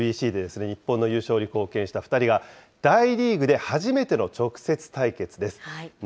ワールドベースボールクラシック・ＷＢＣで日本の優勝に貢献した２人が、大リーグで初めての直接対決です。